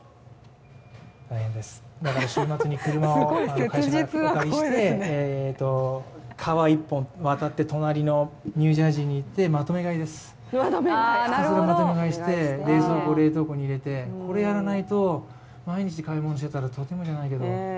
大変です、だから週末に車を会社からお借りして、川一本渡って隣のニュージャージーに行ってまとめ買いです、そこでまとめ買いして冷蔵庫、冷凍庫に入れてこれやらないと毎日買い物していたらとてもじゃないけど。